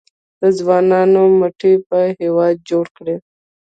د ځوانانو مټې به هیواد جوړ کړي؟